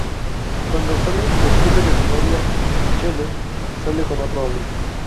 Cuando sale, descubre que su novia, Michelle, sale con otro hombre.